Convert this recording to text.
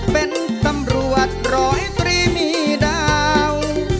เป็นตำรวจร้อยตรีมีดาว